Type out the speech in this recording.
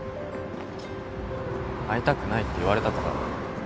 会いたくないって言われたから？